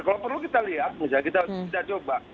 kalau perlu kita lihat misalnya kita coba